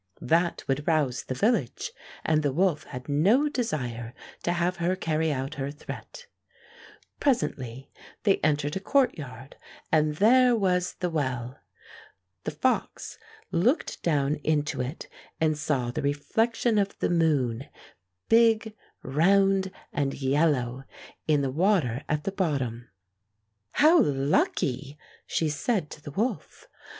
That would rouse the village, and the wolf had no desire to have her carry out her threat. Presently they entered a courtyard, and there was the well. The fox looked down into it and saw the reflection of the moon, big, round, and yellow, in the water at the bot tom. ''How lucky!" she said to the wolf.